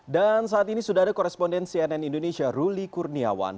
dan saat ini sudah ada koresponden cnn indonesia ruli kurniawan